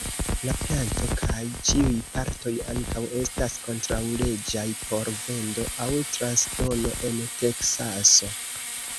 La planto kaj ĉiuj partoj ankaŭ estas kontraŭleĝaj por vendo aŭ transdono en Teksaso.